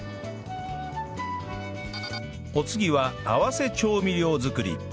お次は合わせ調味料作り